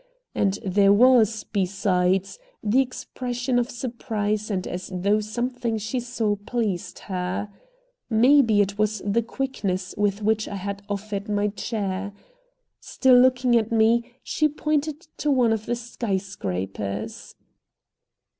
And there was, besides, the expression of surprise and as though something she saw pleased her. Maybe it was the quickness with which I had offered my chair. Still looking at me, she pointed to one of the sky scrapers.